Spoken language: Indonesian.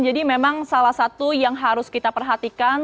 jadi memang salah satu yang harus kita perhatikan